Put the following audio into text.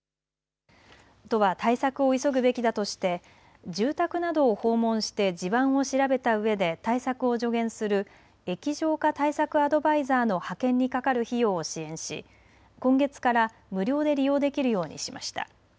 都は対策を急ぐべきだとして住宅などを訪問して地盤を調べたうえで対策を助言する液状化対策アドバイザーの派遣にかかる費用を支援し今月から無料で利用できるようにしました。